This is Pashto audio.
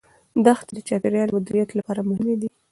دښتې د چاپیریال مدیریت لپاره مهمې دي.